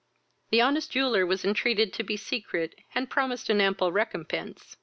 The honest jeweller was entreated to be secret, and promised an ample recompense.